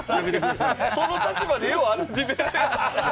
その立場でようあのディベート。